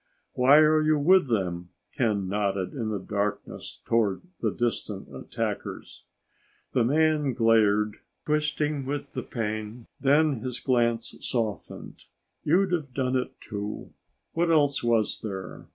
"Why are you with them?" Ken nodded in the darkness toward the distant attackers. The man glared, twisting with the pain. Then his glance softened. "You'd have done it, too. What else was there?